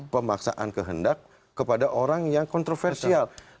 pemaksaan kehendak kepada orang yang kontroversial